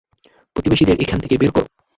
প্রতিবেশীদের এখান থেকে বের কর।